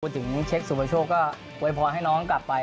วันถึงเช็คสุภาโชคก็ไว้พอให้น้องกลับไป